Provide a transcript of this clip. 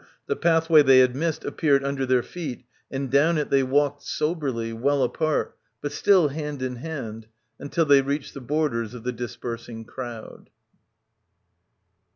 The pathway they had missed appeared under their feet and down it they walked soberly, well apart, but still hand in hand until they reached the borders of the dispersing crowd.